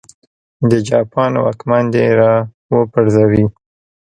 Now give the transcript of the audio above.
د جاپان واکمن دې را وپرځوي.